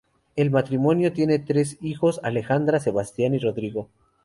El matrimonio tiene tres hijos Alejandra, Sebastián y Rodrigo.